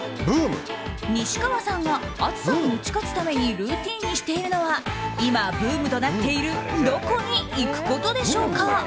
西川さんが暑さに打ち勝つためにルーティンにしているのは今ブームとなっているどこに行くことでしょうか？